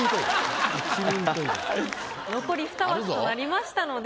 残り２枠となりましたので。